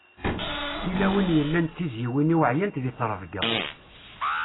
Tilawin yellan d tizziwin-iw ɛeyyant deg ttrebga.